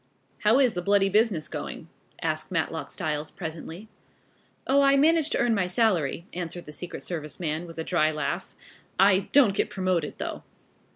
"How is the bloody business going?" asked Matlock Styles presently. "Oh, I manage to earn my salary," answered the secret service man, with a dry laugh. "I don't get promoted though."